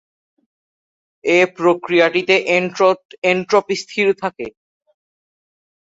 এ প্রক্রিয়াটিতে এনট্রপি স্থির থাকে।